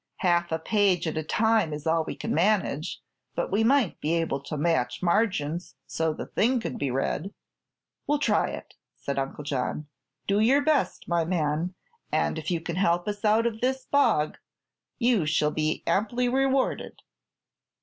"Half a page at a time is all we can manage, but we might be able to match margins so the thing could be read." "We'll try it," said Uncle John. "Do your best, my man, and if you can help us out of this bog you shall be amply rewarded."